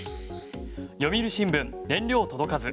読売新聞、燃料届かず。